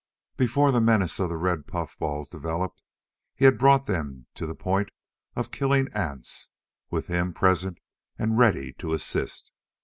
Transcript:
Before the menace of the red puffballs developed, he had brought them to the point of killing ants, with him present and ready to assist.